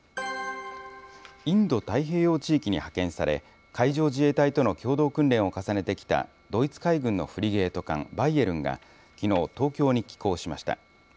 インド太平洋地域に派遣され、海上自衛隊との共同訓練を重ねてきたドイツ海軍のフリゲート艦、バイエルンが、きのう、東京に寄港しました。